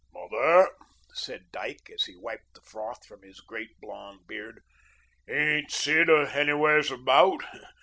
"Mother," said Dyke, as he wiped the froth from his great blond beard, "ain't Sid anywheres about?